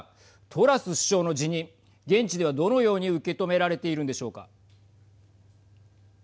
トラス首相の辞任現地では、どのように受け止められているんでしょうか。